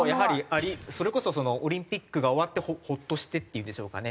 それこそオリンピックが終わってホッとしてっていうんでしょうかね。